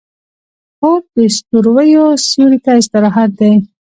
خوب د ستوريو سیوري ته استراحت دی